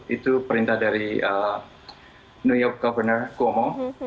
itu perintah dari new york governor cuomo